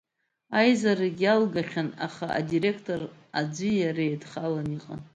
Аизарагьы иалгахьан, аха адиректор аӡәи иареи еидхаланы иҟан.